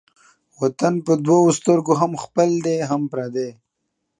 وطن په دوو سترگو هم خپل دى هم پردى.